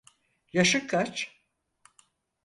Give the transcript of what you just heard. Yaşın kaç?